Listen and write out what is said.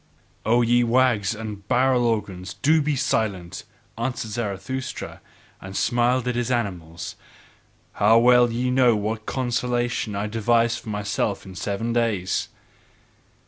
"O ye wags and barrel organs, do be silent!" answered Zarathustra, and smiled at his animals. "How well ye know what consolation I devised for myself in seven days!